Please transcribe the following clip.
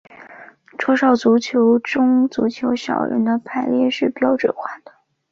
桌上足球中足球小人的排列是标准化的。